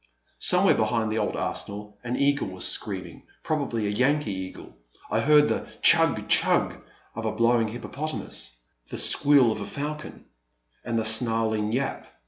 Somewhere behind the old arsenal an eagle was screaming, probably a Yankee eagle ; I heard the tchug ! tchug !'* of a blowing hippopotamus, the squeal of a falcon, and the snarling yap